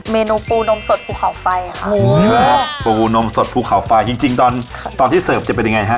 เมนูปูนมสดภูเขาไฟค่ะหมูปูนมสดภูเขาไฟจริงจริงตอนตอนที่เสิร์ฟจะเป็นยังไงฮะ